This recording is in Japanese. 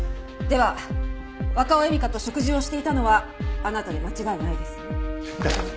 では若尾恵美香と食事をしていたのはあなたで間違いないですね？